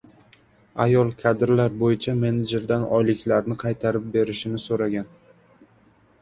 Ayol kadrlar bo‘yicha menejerdan oyliklarini qaytarib berishini so‘ragan